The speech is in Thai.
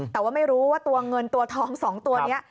แต่ว่าไม่รู้ว่าตัวเงินตัวทอง๒ตัวนี้